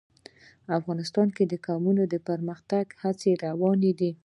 افغانستان کې د قومونه د پرمختګ هڅې روانې دي.